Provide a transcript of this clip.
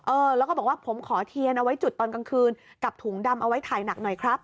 เออแล้วก็บอกว่าผมขอเทียนเอาไว้จุดตอนกลางคืนกับถุงดำเอาไว้ถ่ายหนักหน่อยครับ